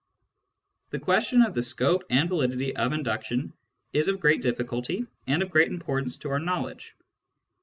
The question of the scope and validity of induction is of great difficulty, and of great importance to our knowledge.